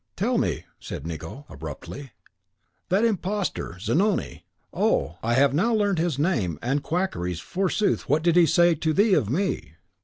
"Tell me," said Nicot, abruptly, "that imposter, Zanoni! oh! I have now learned his name and quackeries, forsooth, what did he say to thee of me?"